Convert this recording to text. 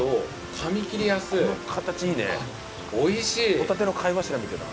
ホタテの貝柱みてえだな。